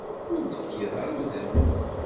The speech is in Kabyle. Ur d-tefkiḍ ara udem.